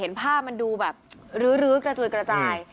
ภาพมันดูแบบรื้อกระจุยกระจาย